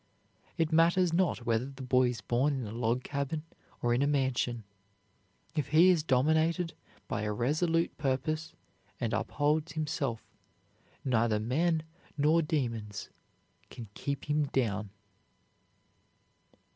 It matters not whether the boy is born in a log cabin or in a mansion; if he is dominated by a resolute purpose and upholds himself, neither men nor demons can keep him down.